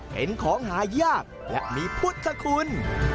เห็นของหายากและมีพุทธคุณ